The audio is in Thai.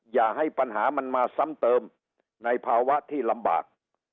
อย่าให้ปัญหามันมาซ้ำเติมในภาวะที่ลำบาก